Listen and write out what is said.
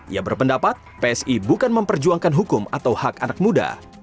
ia berpendapat psi bukan memperjuangkan hukum atau hak anak muda